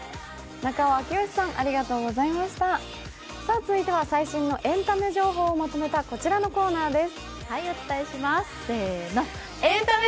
続いては最新のエンタメ情報をまとめたこちらのコーナーです。